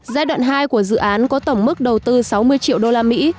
giai đoạn hai của dự án có tổng mức đầu tư sáu mươi triệu đô la mỹ